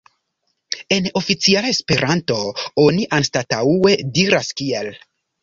En oficiala Esperanto oni anstataŭe diras "kiel".